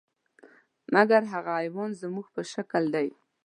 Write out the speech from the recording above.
مګر هغه حیوان خو زموږ په شکل دی .